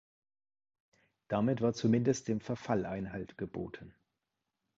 Damit war zumindest dem Verfall Einhalt geboten.